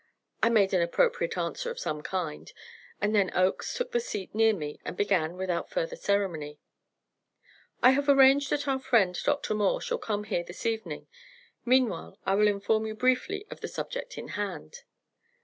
I made an appropriate answer of some kind, and then Oakes took the seat near me and began, without further ceremony: "I have arranged that our friend Dr. Moore shall come here this evening; meanwhile, I will inform you briefly of the subject in hand."